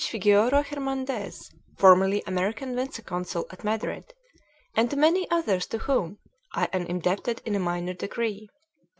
Figueroa Hernandez, formerly American Vice consul at Madrid, and to many others to whom I am indebted in a minor degree.